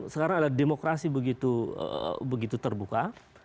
sekarang ada demokrasi begitu terbuka